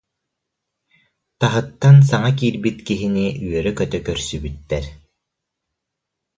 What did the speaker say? Таһыттан саҥа киирбит киһини үөрэ-көтө көрсүбүттэр